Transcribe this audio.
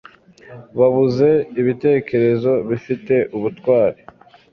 Babuze ibitekerezo bifite ubutwari